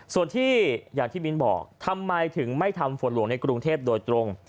ส่วนที่อย่างที่มิ้นบอกทำไมถึงไม่ทำฝนหลวงในกรุงเทพโดยตรง